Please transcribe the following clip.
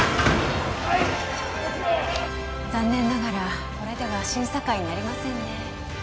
はい残念ながらこれでは審査会になりませんね